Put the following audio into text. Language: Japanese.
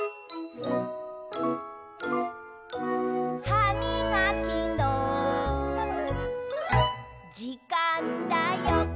「はみがきのじかんだよ！」